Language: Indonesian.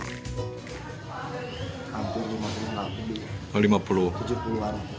pembeli tas di kampung rumah lima puluh